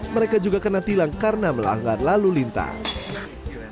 mereka juga kena tilang karena melanggar lalu lintas